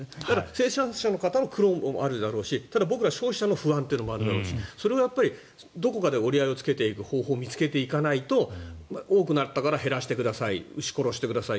生産者の方の苦労もあるだろうしただ、僕ら消費者の不安というのもあるだろうしそれをどこかで折り合いをつけていく方法を見つけていかないと多くなったから減らしてください牛、殺してください